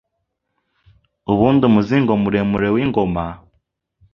Ubundi umuzingo muremure w'ingoma,